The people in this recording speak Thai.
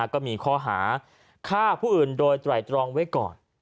ก็มีข้อหาฆ่าผู้อื่นโดยไตรตรองไว้ก่อน